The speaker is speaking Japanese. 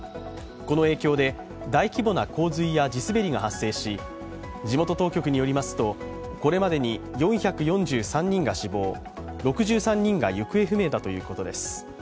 この影響で大規模な洪水や地滑りが発生し地元当局によりますと、これまでに４４３人が死亡、６３人が行方不明だということです。